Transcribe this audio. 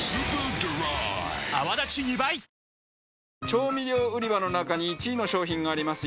調味料売り場の中に１位の商品があります。